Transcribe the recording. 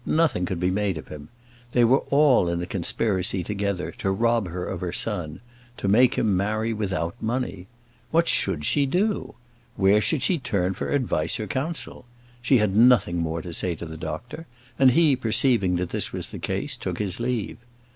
Nothing could be made of him. They were all in a conspiracy together to rob her of her son; to make him marry without money! What should she do? Where should she turn for advice or counsel? She had nothing more to say to the doctor; and he, perceiving that this was the case, took his leave.